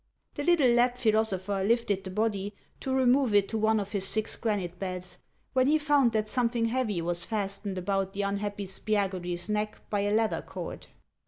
" The little Lapp philosopher lifted the body, to remove it to one of his six granite beds, when he found that some thing heavy was fastened about the unhappy Spiagudry 's neck by a leather cord.